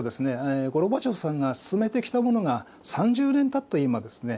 ゴルバチョフさんが進めてきたものが３０年たった今ですね